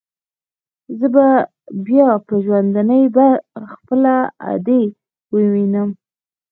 زه به بيا په ژوندوني خپله ادې ووينم.